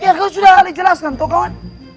ya gue sudah alih jelaskan toh kawan